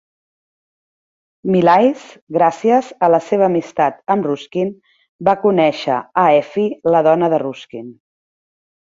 Millais gràcies a la seva amistat amb Ruskin, va conèixer a Effie, la dona de Ruskin.